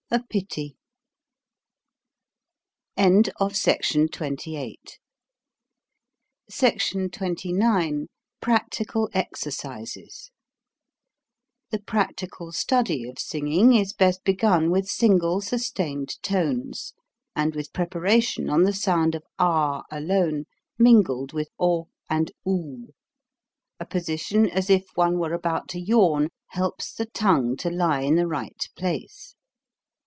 A pity ! SECTION XXIX PRACTICAL EXERCISES THE practical study of singing is best begun with single sustained tones, and with prepa ration on the sound of ah alone, mingled with o and oo. A position as if one were about to yawn helps the tongue to lie in ,the right place.